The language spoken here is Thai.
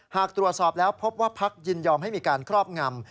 หากตรวจสอบแล้วพบว่าพักยินยอมให้มีการครอบงำ